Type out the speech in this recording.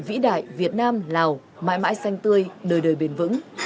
vĩ đại việt nam lào mãi mãi xanh tươi đời đời bền vững